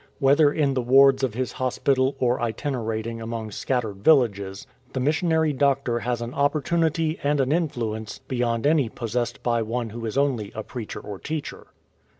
Whether in the wards of his hospital or itinerating among scattered villages, the missionary doctor has an opportunity and an influence beyond any possessed by one who is only a preacher or teacher.